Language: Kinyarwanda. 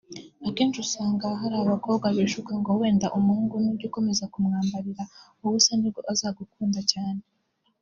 Akenshi usanga hari abakobwa bishuka ngo wenda umuhungu nujya ukomeza kumwambarira ubusa nibwo azagukunda cyane